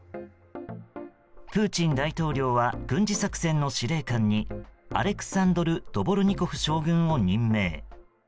プーチン大統領は軍事作戦の司令官にアレクサンドル・ドボルニコフ将軍を任命。